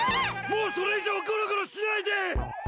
もうそれいじょうゴロゴロしないで！